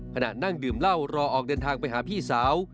นั่งดื่มเหล้ารอออกเดินทางไปหาพี่สาว